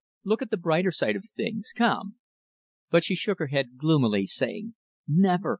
Look at the brighter side of things come." But she shook her head gloomily, saying "Never.